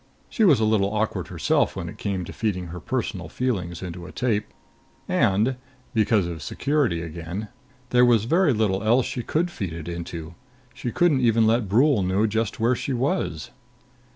She was a little awkward herself when it came to feeding her personal feelings into a tape. And because of security again there was very little else she could feed into it. She couldn't even let Brule know just where she was.